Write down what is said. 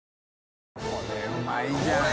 これうまいじゃん。